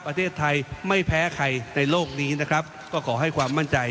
ประเทศไทยไม่แพ้ใครในโลกนี้นะครับก็ขอให้ความมั่นใจ